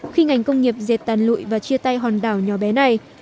khi ngành công nghiệp diệt tàn lụi và chia tay hòn đảo nhỏ bé này